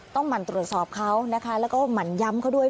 หมั่นตรวจสอบเขานะคะแล้วก็หมั่นย้ำเขาด้วย